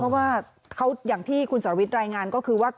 เพราะว่าเขาอย่างที่คุณสรวิทย์รายงานก็คือว่า